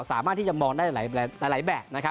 สามารถที่จะมองได้หลายแบบ